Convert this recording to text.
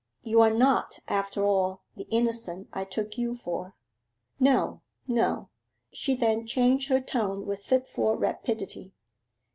'You are not, after all, the innocent I took you for. No, no.' She then changed her tone with fitful rapidity.